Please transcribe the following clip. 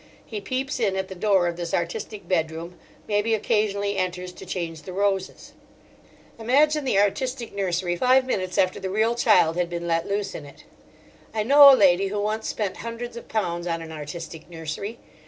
He peeps in at the door of this artistic bedroom, maybe occasionally enters to change the roses. Imagine the artistic nursery five minutes after the real child had been let loose in it. I know a lady who once spent hundreds of pounds on an artistic nursery.